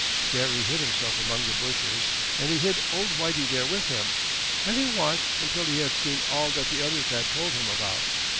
There he hid himself among the bushes, and he hid old Whitey there with him, and he watched until he had seen all that the others had told him about.